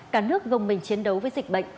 cả nước gồm mình chiến đấu với dịch bệnh